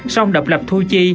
song đập lập thu chi